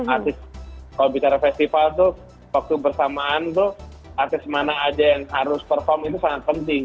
artis kalau bicara festival tuh waktu bersamaan tuh artis mana aja yang harus perform itu sangat penting